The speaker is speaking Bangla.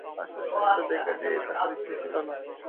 আশার সহিত দেখা হয়, এ তাহার ইচ্ছা ছিল না।